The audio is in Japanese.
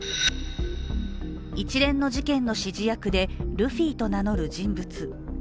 一連の事件の指示役でルフィと名乗る人物。